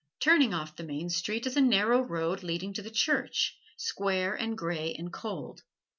Turning off the main street is a narrow road leading to the church square and gray and cold.